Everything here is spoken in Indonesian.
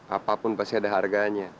apapun pasti ada harganya